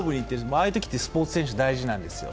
ああいうときってスポーツ選手、大事なんですよ。